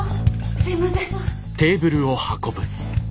すいません。